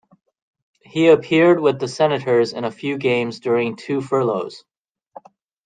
He appeared with the Senators in a few games during two furloughs.